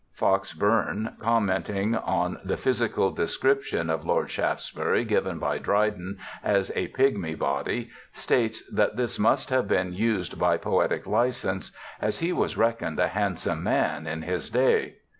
Fox Bourne, commenting on the physical description JOHN LOCKE 8i of Lord Shaftesbury given by Dryden as a 'pigmy body ', states that this must have been used by poetic licence, as 'he was reckoned a handsome man in his day'.